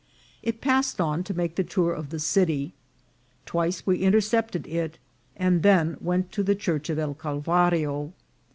It passed on to make the tour of the city ; twice we intercepted it, and then went to the Church of El Calvario.